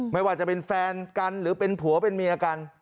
ไม่ว่าจะเป็นแฟนกันหรือเป็นผัวเป็นเมียกัน